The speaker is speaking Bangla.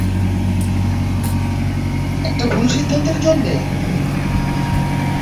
একটা ভুল সিদ্ধান্তের জন্যে?